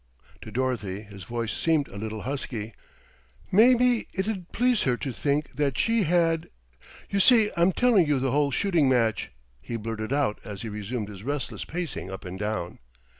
To Dorothy his voice seemed a little husky. "May be it'ud please her to think that she had you see I'm telling you the whole shooting match," he blurted out as he resumed his restless pacing up and down.